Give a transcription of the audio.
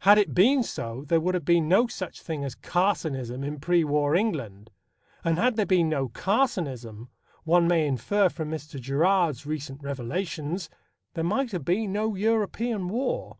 Had it been so, there would have been no such thing as Carsonism in pre war England; and, had there been no Carsonism, one may infer from Mr. Gerard's recent revelations, there might have been no European war.